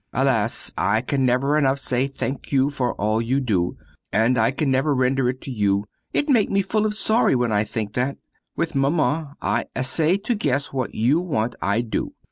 Alas, I can never enough say thank you for all you do, and I can never render it to you! It make me full of sorry when I think that. With Maman I essay to guess what you want I do.